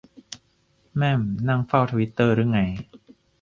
แม่มนั่งเฝ้าทวิตเตอร์รึไง